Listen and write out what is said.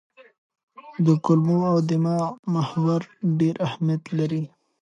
د کولمو او دماغ محور ډېر اهمیت لري.